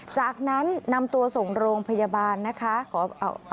จากนั้นนำตัวส่งโรงพยาบาลนะคะ